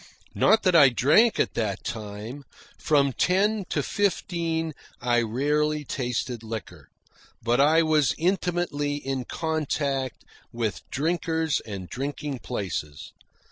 Not that I drank at that time. From ten to fifteen I rarely tasted liquor, but I was intimately in contact with drinkers and drinking places.